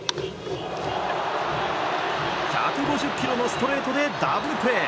１５０キロのストレートでダブルプレー！